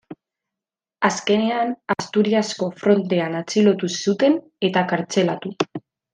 Azkenean, Asturiasko frontean atxilotu zuten, eta kartzelatu.